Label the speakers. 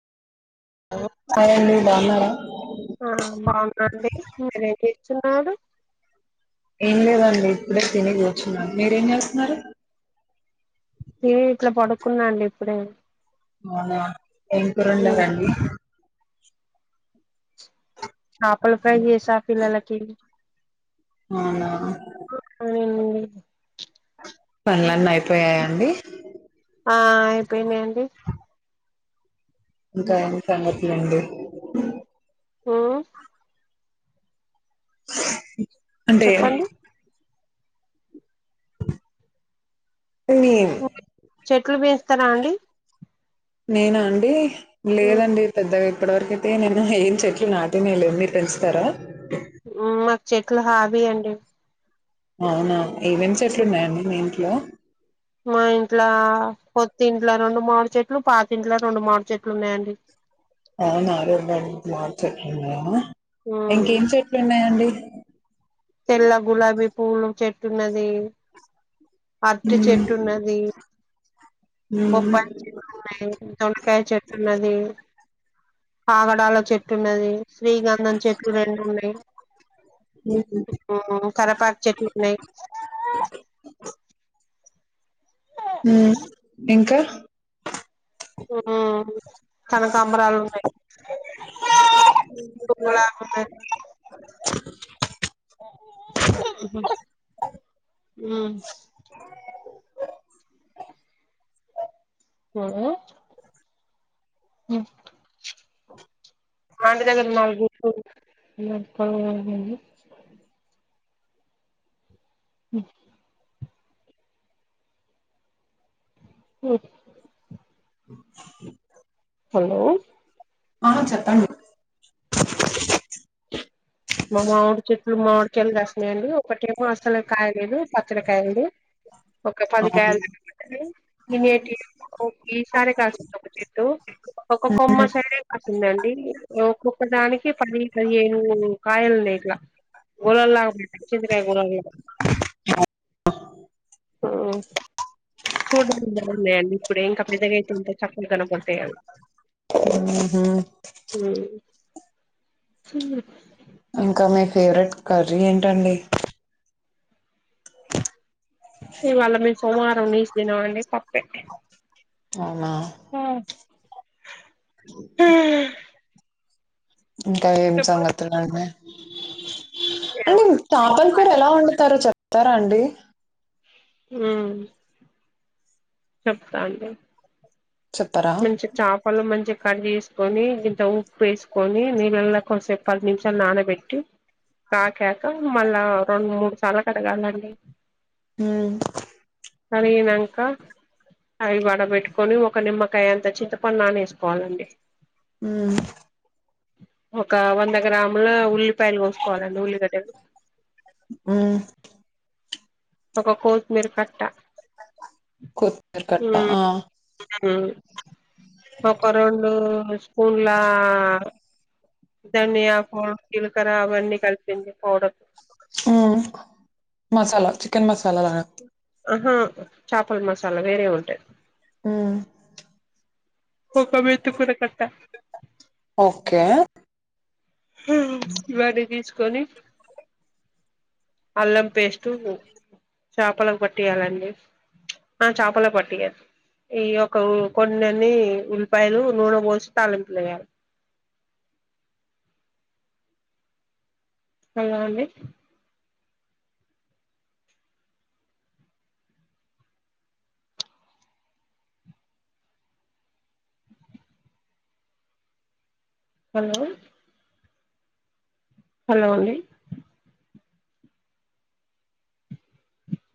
Speaker 1: hello
Speaker 2: hi అండి బాగున్నారా
Speaker 1: ఆ బాగున్నాండి [inaudible]
Speaker 2: ఏం లేదండి ఇప్పుడే తినేదిర్చున్నా మీరేం చేస్తున్నారు
Speaker 1: ఏ ఇట్లా పడుకున్నాండి ఇప్పుడే
Speaker 2: అవునా ఏం కూర
Speaker 1: ఉమ్,
Speaker 2: వండారండి
Speaker 1: చేపల ఫ్రై చేస ఫిల్లలకి
Speaker 2: అలా [unintelligible]
Speaker 1: ఉ [unintelligible]
Speaker 2: పనులన్నీ అయిపోయాయండి
Speaker 1: ఆ అయిపోయినాయండి
Speaker 2: ఇంకా ఎం సంగతులండి
Speaker 1: ఆ
Speaker 2: అంటే
Speaker 1: చెప్పండి
Speaker 2: మీ
Speaker 1: చెట్లు పెంచుతరా అండి
Speaker 2: నేనా అండి
Speaker 1: ఉమ్,
Speaker 2: లేదండి పెద్దగా ఇప్పటివరకైతే నేను ఏం చెట్లు నాటినే లే మీరు పెంచుతారా
Speaker 1: మాకు చెట్లు హాబీ అండి
Speaker 2: అవునా ఏం ఎం చేట్లున్నాయండి మీ ఇంట్లో
Speaker 1: మా ఇంట్ల కొత్తి ఇంట్ల రెండు మామిడి చెట్లు పాతింట్లో రెండు మామిడు చెట్లు ఉన్నాయండి
Speaker 2: అవు నా రెండు మామిడిచెట్లు ఉన్నాయామ
Speaker 1: ఉమ్,
Speaker 2: ఇంకేం చెట్లు ఉన్నాయండి
Speaker 1: తెల్ల గులాబీ పూలు చెట్టున్నది అరటి చెట్టు ఉన్నది
Speaker 2: ఉమ్
Speaker 1: బొప్పాయ చెట్టు ఉన్నాయే దొండకాయ చెట్టున్న ది కాగడాల చెట్టు ఉన్నది శ్రీగంధం చెట్టు రెండున్నాయి కరాపకు చెట్లున్నాయీ
Speaker 2: ఇంకా
Speaker 1: కనకంబరాలు ఆ హ అండ్ గదే నగులు న ఉ ఓ హలో
Speaker 2: ఆ చెప్పాం
Speaker 1: మా మామిడి చెట్లు మామిడికిెళ్ళ వస్తున్నాయంండి ఒకటేమో అసలు కాయలేదు పచ్చడికాయలు ఒక
Speaker 2: ఊహు
Speaker 1: పదికాయలు సారే కాష్ట చెతు ఒక్కొ కొమ్మ సైడే పతుందండి ఒక్కొక్క దానికి పది పదిహేను లా బలాలా ఆ చూడనికి బాగున్నాయండి ఇప్పుడే ఇంకప్పుడుదగైతుంటే చక్కలు కన పోతాయి అవి
Speaker 2: ఆహ
Speaker 1: హ
Speaker 2: ఇంకా మీ ఫేవరెట్ కర్రీ ఏంటండి
Speaker 1: ఇవాళ మేము సోమవారం నచ తినం అండి పప్పే
Speaker 2: అనా
Speaker 1: ఆ
Speaker 2: ఇంకా ఏం
Speaker 1: చెప్పాలి
Speaker 2: సంగతుే అండి తాపన్ కూూర ఎలా వండుతారో చెప్తారా అండి
Speaker 1: ఆ చెప్తాండి
Speaker 2: చెప్పరా
Speaker 1: మంచి చేపలు మంచి కట్ చేసుకొని ఇంత ఉప్పు వేసుకొని నీళ్వు వెళ్ళ కొంచసేపు పది నిమిషాలు నానబెట్టి కాకాక మళ్ళా రెండు మూడు సార్లు కడగాలండి
Speaker 2: హ
Speaker 1: కలిగినక అవి వడబెట్టుకొని ఒక నిమ్మ కాయ అంత చితపన్నానే వేసుకోవాలండి
Speaker 2: హ
Speaker 1: ఒక వంద గ్రాముల ఉల్లిపాయలు కోసుకోవాలండి ఉల్లిగడ్లు
Speaker 2: ఆ
Speaker 1: ఒక కోసు మీరు కట్ట
Speaker 2: కొత్తిమీర కట్ట ఆ
Speaker 1: హ ఒకకండు స్కూల్లా ధనియా కీలకర అవన్నీ కలిపింది పౌడర్
Speaker 2: మసాలా చికెన్ మసాలా తా
Speaker 1: ఆహా చపలు మసాలా వేరే ఉంటాది ఒక మెంతుకూర కట్ట
Speaker 2: ఓకే
Speaker 1: ఇవాడి తీసుకొని అల్లం పేస్ట్ చేపలకు పట్టియాలండి ఆ చాపలే పటిగా ఈయ ఒక కొన్ని అన్ని ఉల్లిపాయలు నూనె పోసి తాళింపులు వేయాలి అలా అండి హలో హలో అండి